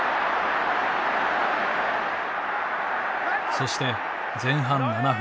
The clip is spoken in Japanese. そして前半７分。